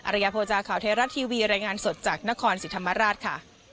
อริยโภจาข่าวเทราชทีวีรายงานสดจากนครสิรรธรรมราช